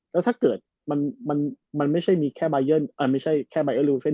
แล้วถ้าเกิดมันมันมันไม่ใช่มีแค่บายเออร์ลิวคูเซ็น